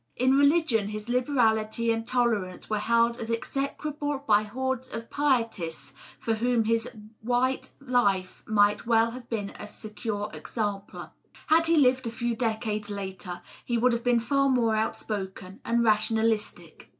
In religion his liberality and tolerance were held as exe crable by hordes of pietists for whom his white life might well have been a secure exemplar. Had he lived a few decades later, he would have been far more outspoken and rationalistic.